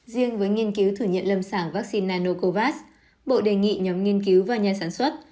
riêng với nghiên cứu thử nghiệm lâm sàng vaccine nanocovax bộ đề nghị nhóm nghiên cứu và nhà sản xuất